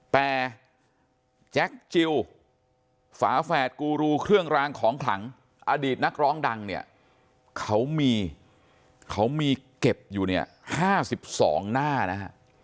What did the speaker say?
แต่แจ็คจิลฝาแฝดกูรูเครื่องรางของขลังอดีตนักร้องดังเนี่ยเขามีเขามีเก็บอยู่เนี่ย๕๒หน้านะฮะ